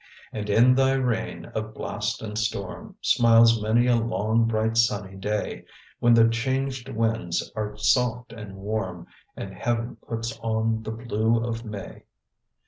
_"And in thy reign of blast and storm, Smiles many a long, bright, sunny day When the changed winds are soft and warm, And heaven puts on the blue of May."